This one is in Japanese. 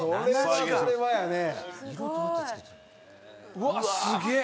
「うわっすげえ！」